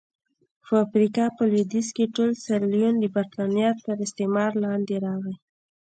په افریقا په لوېدیځ کې ټول سیریلیون د برېټانیا تر استعمار لاندې راغی.